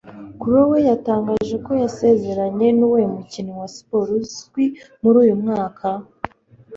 Crowe yatangaje ko yasezeranye nuwuhe mukinnyi wa siporo uzwi muri uyu mwaka?